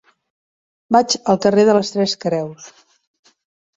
Vaig al carrer de les Tres Creus.